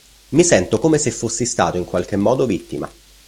Mi sento come se fossi stato in qualche modo vittima.